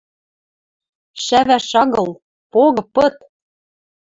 Шӓвӓш агыл, погы пыт!